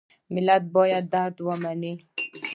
ملت باید خپل درد ومني.